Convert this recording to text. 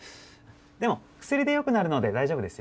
でも薬で良くなるので大丈夫ですよ。